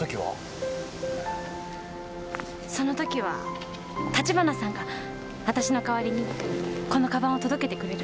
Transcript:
その時は立花さんが私の代わりにこのカバンを届けてくれる？